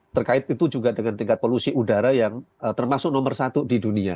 terkait itu juga dengan tingkat polusi udara yang termasuk nomor satu di dunia